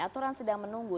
aturan sedang menunggu